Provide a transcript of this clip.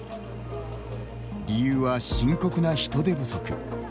理由は深刻な人手不足。